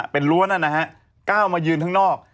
เป็นรั้วนั่นนะฮะก้าวมายืนข้างนอก